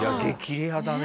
レアだね。